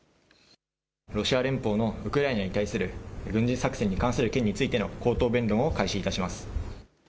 ロシア連邦のウクライナに対する軍事作戦に関する件についての口頭弁論を開始いたします。